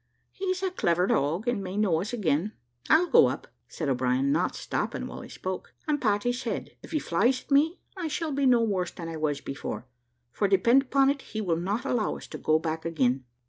"He's a clever dog, and may know us again. I'll go up," said O'Brien, not stopping while he spoke, "and pat his head; if he flies at me, I shall be no worse than I was before, for depend upon it he will not allow us to go back again."